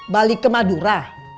balik ke madura